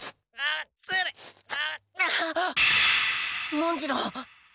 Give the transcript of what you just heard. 文次郎。